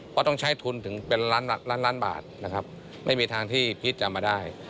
เพราะต้องใช้ทุนถึงเป็นล้านล้านล้านบาทนะครับไม่มีทางที่พีชจะมาได้